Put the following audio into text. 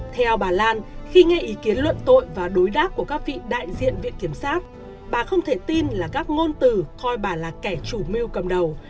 theo bà lan khi nghe ý kiến luận tội và đối đáp của các vị đại diện viện kiểm sát bà không thể tin là các ngôn từ coi bà là kẻ chủ mưu cầm đầu